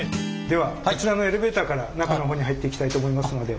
ではこちらのエレベーターから中の方に入っていきたいと思いますので。